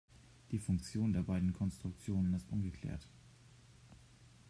Die Funktion der beiden Konstruktionen ist ungeklärt.